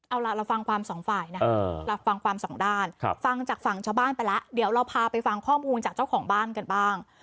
เอาล่ะเราฟังความสองฝ่ายนะเราฟังความสองด้านฟังจากฝั่งชาวบ้านไปแล้วเดี๋ยวเราพาไปฟังข้อมูลจากเจ้าของบ้านกันบ้าง